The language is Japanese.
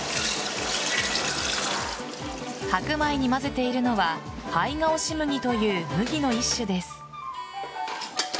白米にまぜているのは胚芽押麦という麦の一種です。